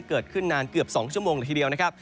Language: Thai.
เกิดขึ้นนานเกือบ๒ชั่วโมงละทีเดียวนะครับ